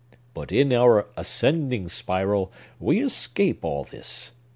But in our ascending spiral, we escape all this.